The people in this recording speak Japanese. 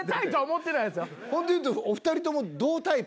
ホントいうとお２人とも。